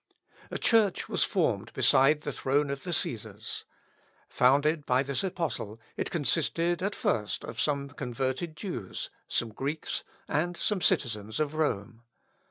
A church was formed beside the throne of the Cæsars. Founded by this apostle, it consisted at first of some converted Jews, some Greeks, and some citizens of Rome.